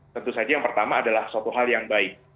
tentu saja yang pertama adalah suatu hal yang baik